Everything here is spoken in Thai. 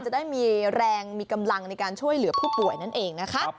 จะได้มีแรงมีกำลังในการช่วยเหลือผู้ป่วยนั่นเองนะคะ